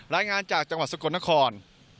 รายงานจากจังหวัดสกลนคร